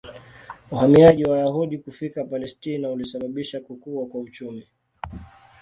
Uhamiaji wa Wayahudi kufika Palestina ulisababisha kukua kwa uchumi.